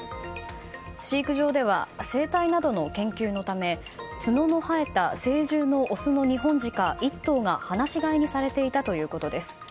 飼育場では生態などの研究のため角の生えた成獣のオスの日本ジカ１頭が放し飼いにされていたということです。